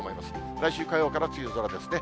来週火曜から梅雨空ですね。